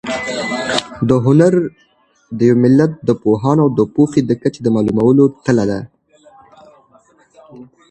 هنر د یو ملت د پوهانو او پوهې د کچې د معلومولو تله ده.